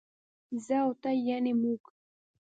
زه او ته يعنې موږ